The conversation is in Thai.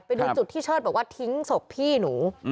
ไปดูจุดที่เชิดบอกว่าทิ้งศพพี่หนู